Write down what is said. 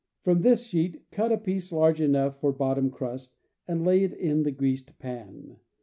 From this sheet cut a piece large enough for bottom crust and lay it in the greased pan.